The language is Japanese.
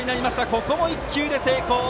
ここも１球で成功。